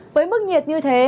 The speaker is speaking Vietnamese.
với mức nhiệt như thế